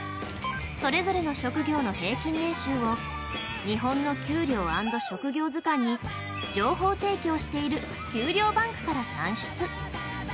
それぞれの職業の平均年収を「日本の給料＆職業図鑑」に情報提供している「給料ＢＡＮＫ」から算出